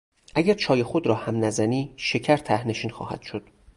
اگر چای خود را هم نزنی شکر تهنشین خواهد شد.